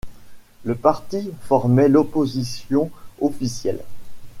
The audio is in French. Le parti formaient l'Opposition officielle.